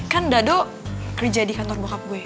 kan dado kerja di kantor bokap gue